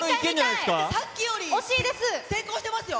さっきより成功してますよ。